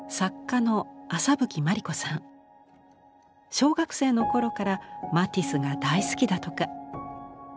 小学生の頃からマティスが大好きだとか。